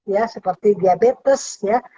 ya seperti diabetes ya